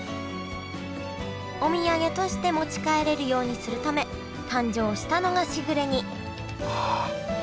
お土産として持ち帰れるようにするため誕生したのがしぐれ煮ああ。